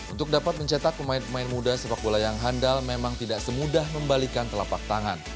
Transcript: untuk dapat mencetak pemain pemain muda sepak bola yang handal memang tidak semudah membalikan telapak tangan